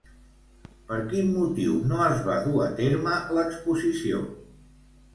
Per quin motiu no es va dur a terme l'exposició?